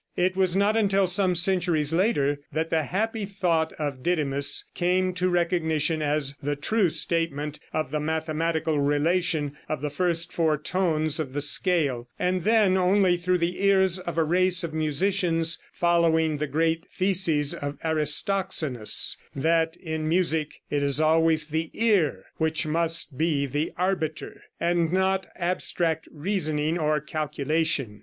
It was not until some centuries later that the happy thought of Didymus came to recognition as the true statement of the mathematical relation of the first four tones of the scale, and then only through the ears of a race of musicians following the great thesis of Aristoxenos, that in music it is always the ear which must be the arbiter, and not abstract reasoning or calculation.